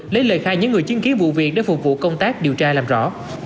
lấy lời khai những người chứng kiến vụ việc để phục vụ công tác điều tra làm rõ